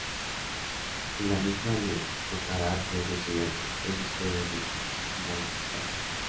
En la misma le contará a tres estudiantes tres historias de sus amores pasados.